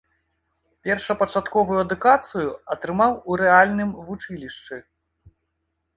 Першапачатковую адукацыю атрымаў у рэальным вучылішчы.